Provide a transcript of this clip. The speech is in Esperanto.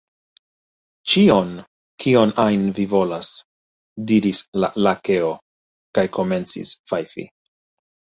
"Ĉion, kion ajn vi volas!" diris la Lakeo, kaj komencis fajfi.